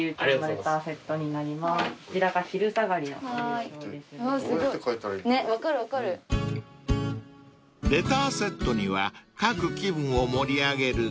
［レターセットには書く気分を盛り上げる工夫が］